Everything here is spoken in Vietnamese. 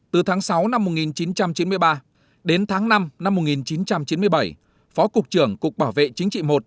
từ tháng sáu năm một nghìn chín trăm chín mươi ba đến tháng năm năm một nghìn chín trăm chín mươi bảy phó cục trưởng cục bảo vệ chính trị một